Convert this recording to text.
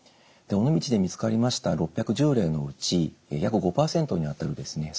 尾道で見つかりました６１０例のうち約５％にあたるですね